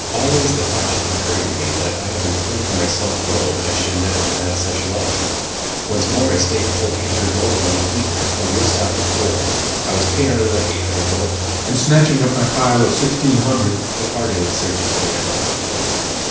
Always the thought kept recurring to me that if I had been playing for myself alone I should never have had such luck. Once more I staked the whole 800 gülden on the "even." The wheel stopped at 4. I was paid out another 800 gülden, and, snatching up my pile of 1600, departed in search of Polina Alexandrovna.